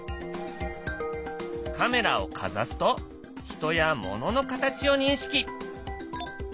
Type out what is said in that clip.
カメラをかざすと人や物の形を認識。